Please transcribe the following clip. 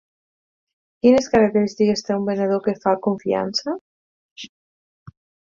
Quines característiques té un venedor que fa confiança?